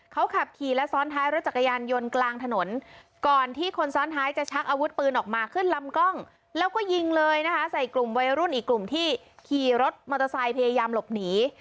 เขาขับขี่และซ้อนท้ายรถจักรยานยนต์กลางถนนก่อนที่คนซ้อนท้ายจะชักอาวุธปืนออกมาขึ้นลำกล้องแล้วก็ยิงเลยนะคะใส่กลุ่มวัยรุ่นอีกกลุ่มที่ขี่รถมอเตอร์ไซค์พยายามหลบหนี